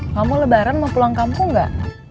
kamu lebaran mau pulang kampung gak